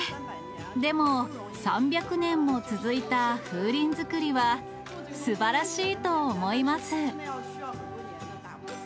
でも、３００年も続いた風鈴作りは、すばらしいと思います。